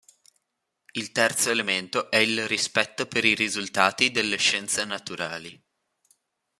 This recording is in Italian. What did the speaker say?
Il terzo elemento è il rispetto per i risultati delle scienze naturali.